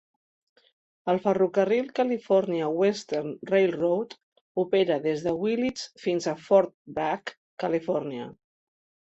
El ferrocarril California Western Railroad opera des de Willits fins a Fort Bragg, Califòrnia.